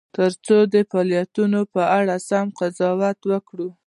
ترڅو د فعالیتونو په اړه سم قضاوت وکړو.